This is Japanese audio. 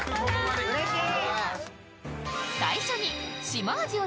うれしい！